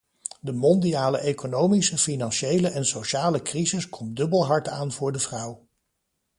De mondiale economische, financiële en sociale crisis komt dubbel hard aan voor de vrouw.